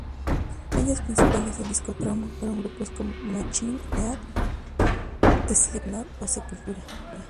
Las influencias principales del disco Trauma fueron grupos como: Machine Head, Slipknot o Sepultura.